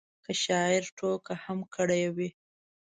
که شاعر ټوکه هم کړې وي.